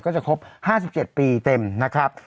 ก็จะครบ๕๗ปีเต็มนะครับ